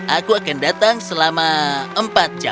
aku akan datang selama empat jam